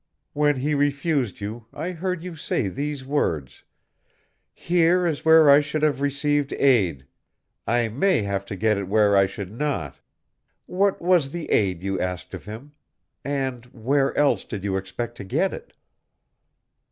"When he refused you I heard you say these words, 'Here is where I should have received aid; I may have to get it where I should not.' What was the aid you asked of him? and where else did you expect to get it?"